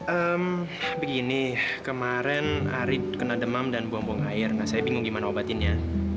eh begini kemaren ari kena demam dan buang buang air nggak saya bingung gimana obatinnya